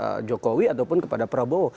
kepada jokowi ataupun kepada prabowo